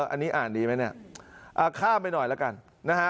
อันนี้อ่านดีไหมเนี่ยข้ามไปหน่อยแล้วกันนะฮะ